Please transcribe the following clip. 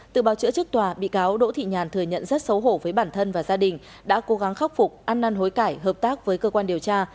từ báo chữa chức tòa bị cáo đỗ thị nhàn thừa nhận rất xấu hổ với bản thân và gia đình đã cố gắng khắc phục ăn năn hối cải hợp tác với cơ quan điều tra